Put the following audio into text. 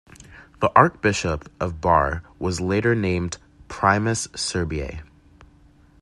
The archbishop of Bar was later named "Primas Serbiae".